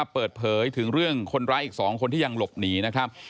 เปิดเผยถึงเรื่องคนร้ายอีก๒คนที่ยังหลบหนีนะครับ